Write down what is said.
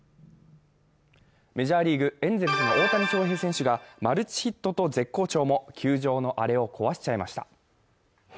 メジャーリーグ、エンゼルスの大谷翔平選手がマルチヒットと絶好調も、球場のあれを壊しちゃいました。